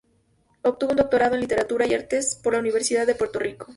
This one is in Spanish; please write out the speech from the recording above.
Obtuvo un doctorado en literatura y artes por la Universidad de Puerto Rico.